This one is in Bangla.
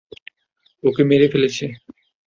ওকে মেরে ফেলেছে!